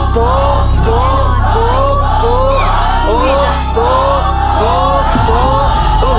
ถูก